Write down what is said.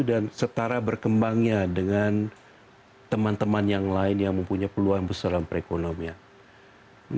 dan setara berkembangnya dengan teman teman yang lain yang mempunyai peluang besar dalam perekonomian